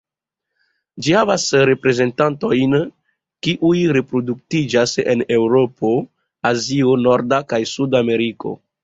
Ĝi havas reprezentantojn kiuj reproduktiĝas en Eŭropo, Azio, Norda, kaj Sud-Ameriko.